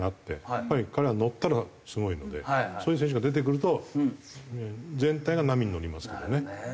やっぱり彼は乗ったらすごいのでそういう選手が出てくると全体が波に乗りますからね。